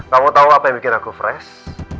kamu tahu apa yang bikin aku fresh